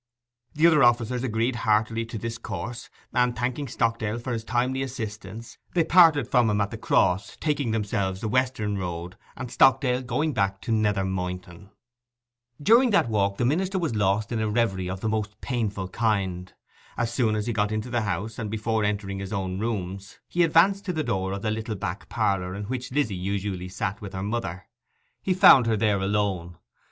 The other officers agreed heartily to this course; and, thanking Stockdale for his timely assistance, they parted from him at the Cross, taking themselves the western road, and Stockdale going back to Nether Moynton. During that walk the minister was lost in reverie of the most painful kind. As soon as he got into the house, and before entering his own rooms, he advanced to the door of the little back parlour in which Lizzy usually sat with her mother. He found her there alone.